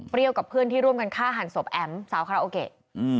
เปรี้ยวกับเพื่อนที่ร่วมกันฆ่าหั่นศพแอมสาวฆราโอเกะ